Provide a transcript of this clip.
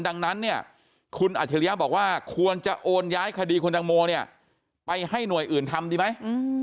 ดังนั้นเนี่ยคุณอัจฉริยะบอกว่าควรจะโอนย้ายคดีคุณตังโมเนี่ยไปให้หน่วยอื่นทำดีไหม